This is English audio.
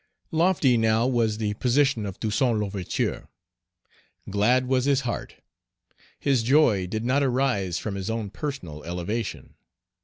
Lofty now was the position of Toussaint L'Ouverture. Glad Page 87 was his heart. His joy did not arise from his own personal elevation.